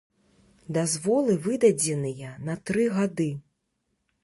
Дазволы выдадзеныя на тры гады.